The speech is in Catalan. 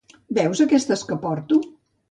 - Veus aquestes que porto?